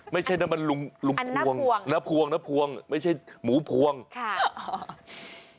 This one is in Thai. ไม่ใช่น้ำมันลุมพวงน้ำพวงไม่ใช่หมูพวงค่ะอ๋อ